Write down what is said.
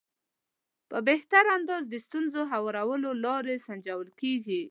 په بهتر انداز د ستونزې هوارولو لارې سنجول کېږي.